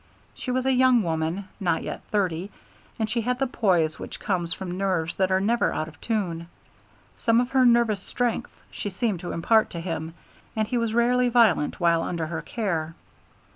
She was a young woman, not yet thirty, and she had the poise which comes from nerves that are never out of tune. Some of her nervous strength she seemed to impart to him, and he was rarely violent while under her care.